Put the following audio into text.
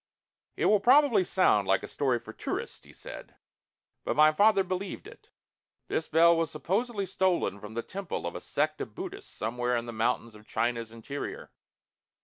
"It will probably sound like a story for tourists," he said. "But my father believed it. This bell was supposedly stolen from the temple of a sect of Buddhists somewhere in the mountains of China's interior.